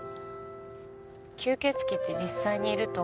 吸血鬼って実際にいると思う？